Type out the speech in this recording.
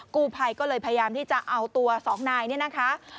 กู้ภัยก็เลยพยายามที่จะเอาตัวสองนายเนี่ยนะคะ